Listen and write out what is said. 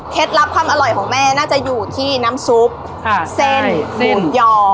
เคล็ดลับความอร่อยของแม่น่าจะอยู่ที่น้ำซุปค่ะสินสินหมูยอ